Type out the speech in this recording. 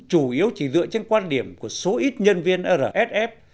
chủ yếu chỉ dựa trên quan điểm của số ít nhân viên rsf